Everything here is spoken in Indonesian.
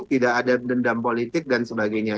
tidak ada dendam politik dan sebagainya